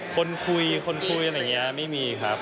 คนคุยคนคุยอะไรอย่างนี้ไม่มีครับ